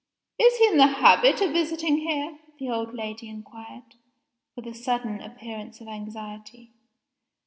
"Is he in the habit of visiting here?" the old lady inquired, with a sudden appearance of anxiety.